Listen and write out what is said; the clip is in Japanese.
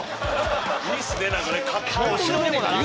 いいっすね何かね活気が。